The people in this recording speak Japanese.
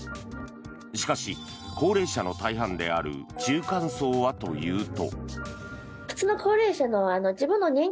しかし、高齢者の大半である中間層はというと。